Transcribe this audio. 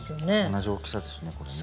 同じ大きさですねこれね。